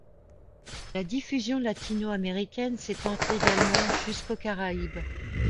La diffusion latino-américaine s'étend également jusqu'aux Caraïbes.